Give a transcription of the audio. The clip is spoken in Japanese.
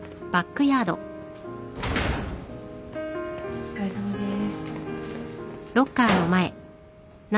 お疲れさまです。